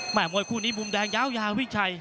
หมายมวยคู่นี้มุมแดงยาวยาววิ่งชัย